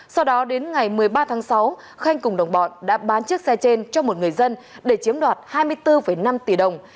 sau đó đến ngày một mươi ba tháng sáu khanh cùng đồng bọn đã bán chiếc xe trên cho một người dân để chiếm đoạt hai mươi bốn năm tỷ đồng